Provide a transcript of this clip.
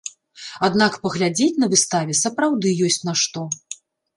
Аднак паглядзець на выставе сапраўды ёсць на што.